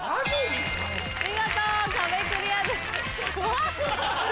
見事壁クリアです怖っ。